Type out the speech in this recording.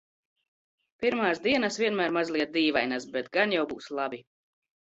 Pirmās dienas vienmēr mazliet dīvainas, bet gan jau būs labi.